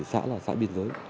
xã là xã biên giới